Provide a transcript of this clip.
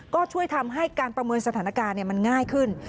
ก็ช่วยทำให้การประเมินสถานการณ์มันง่ายขึ้น